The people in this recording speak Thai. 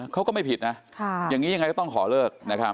เขาก็ไม่ผิดนะอย่างนี้ยังไงก็ต้องขอเลิก